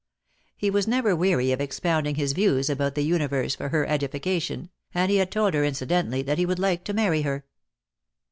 He was never weary of expounding his views about the universe for her edification, and he had told her incidentally that he would like to marry her.